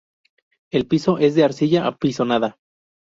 El piso es de arcilla apisonada.